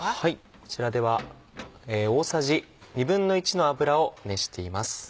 こちらでは大さじ１／２の油を熱しています。